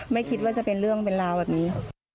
ไม่คิดว่าจะเป็นเรื่องเป็นราวแบบนี้